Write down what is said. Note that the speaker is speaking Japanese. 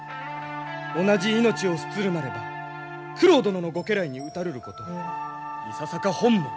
同じ命を捨つるなれば九郎殿のご家来に討たるることいささか本望。